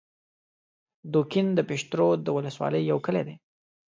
دوکین د پشترود د ولسوالۍ یو کلی دی